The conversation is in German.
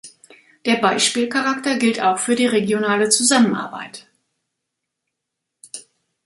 Der Beispielcharakter gilt auch für die regionale Zusammenarbeit.